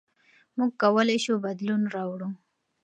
موږ کولای شو بدلون راوړو.